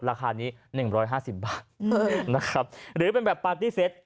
ราคานี้หนึ่งร้อยห้าสิบบาทนะครับหรือเป็นแบบปาร์ตี้เซต